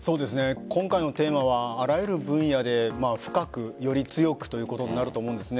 今回のテーマはあらゆる分野で深くより強くということになると思うんです。